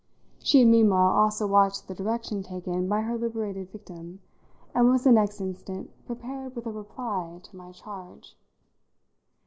She had meanwhile also watched the direction taken by her liberated victim, and was the next instant prepared with a reply to my charge.